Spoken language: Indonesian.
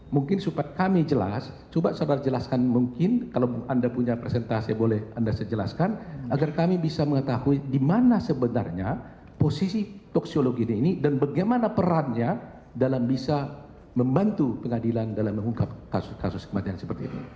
mungkin supaya kami jelas coba saudara jelaskan mungkin kalau anda punya presentasi boleh anda sejelaskan agar kami bisa mengetahui di mana sebenarnya posisi toksiologi ini dan bagaimana perannya dalam bisa membantu pengadilan dalam mengungkap kasus kasus kematian seperti ini